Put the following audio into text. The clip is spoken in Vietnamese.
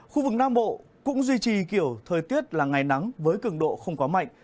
khu vực nam bộ cũng duy trì kiểu thời tiết là ngày nắng với cường độ không quá mạnh